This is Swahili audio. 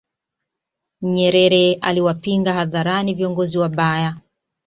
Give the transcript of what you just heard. nyerere aliwapinga hadharani viongozi wabaya